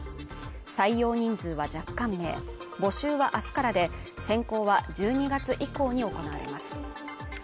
採用人数は若干名募集はあすからで選考は１２月以降に行われます